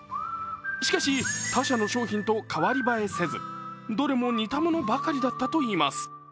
しかし他社の製品と代わり映えせずどれも似たものばかりだったといいます。